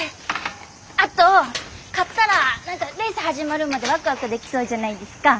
あと買ったら何かレース始まるまでワクワクできそうじゃないですか。